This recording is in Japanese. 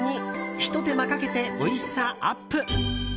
ひと手間かけて、おいしさアップ。